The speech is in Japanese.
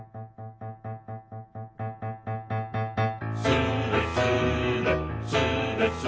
「スレスレスレスレ」